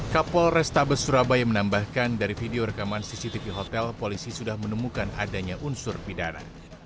kapol restabes surabaya menambahkan dari video rekaman cctv hotel polisi sudah menemukan adanya unsur pidana